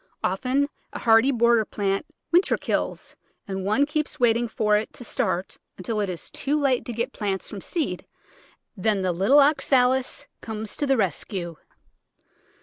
Often a hardy border plant winter kills and one keeps waiting for it to start until it is too late to get plants from seed, then the little Oxalis comes to the rescue.